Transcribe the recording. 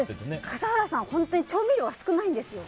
笠原さんは本当に調味料が少ないんですよ。